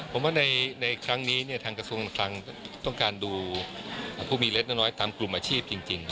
ผมว่าในครั้งนี้ทางกระทรวงคลังต้องการดูผู้มีเล็กน้อยตามกลุ่มอาชีพจริง